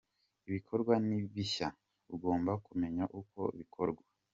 Ibikorwayo ni bishya, ugomba kumenya uko bikorwa.